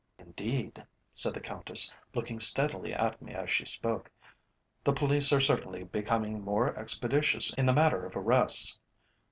"Indeed," said the Countess, looking steadily at me as she spoke. "The police are certainly becoming more expeditious in the matter of arrests.